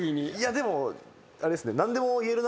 でもあれですね。